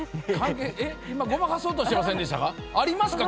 今、ごまかそうとしてませんでした？ありますか？